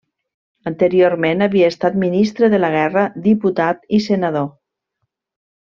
Anteriorment havia estat Ministre de la Guerra, Diputat i Senador.